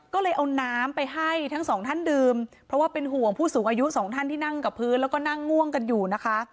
ก็เลยเอาน้ำไปให้ทั้งสองท่านดื่มเพราะว่าเป็นห่วงผู้สูงอายุสองท่านที่นั่งกับพื้นแล้วก็นั่งง่วงกันอยู่นะคะ